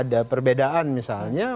ada perbedaan misalnya